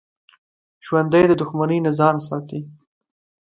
ژوندي د دښمنۍ نه ځان ساتي